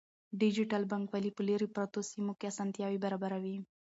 ډیجیټل بانکوالي په لیرې پرتو سیمو کې اسانتیاوې برابروي.